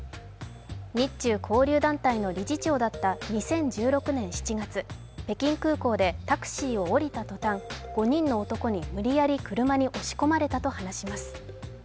日中交流団体の理事長だった２０１６年７月、北京空港でタクシーを降りた途端、５人の男に無理やり車に押し込まれたと話します。